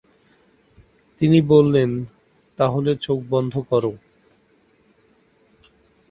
তিনি বললেন, তাহলে চোখ বন্ধ করো ।